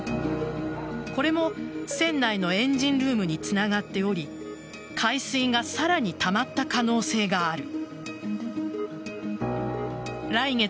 これも、船内のエンジンルームにつながっており海水がさらにたまった可能性がある。